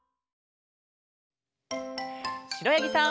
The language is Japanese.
しろやぎさん。